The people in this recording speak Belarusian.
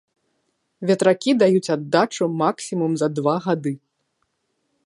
Ветракі даюць аддачу максімум за два гады.